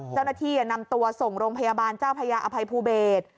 เจ้าหน้าที่นำตัวส่งโรงพยาบาลเจ้าพญาอภัยภูเบศ